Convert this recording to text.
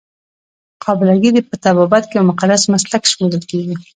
قابله ګي په طبابت کې یو مقدس مسلک شمیرل کیږي.